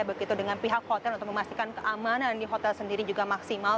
begitu dengan pihak hotel untuk memastikan keamanan di hotel sendiri juga maksimal